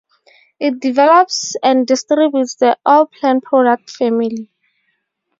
It develops and distributes the Allplan product family.